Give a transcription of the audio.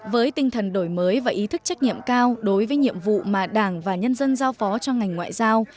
với tinh thần đổi mới và ý thức trách nhiệm cao đối với nhiệm vụ mà đảng và nhân dân giao phó cho ngành ngoại giao